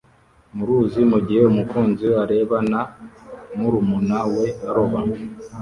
mu ruzi mugihe umukunzi we areba na murumuna we aroba